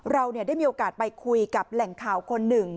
เราได้มีโอกาสไปคุยกับแหล่งข่าวคนหนึ่ง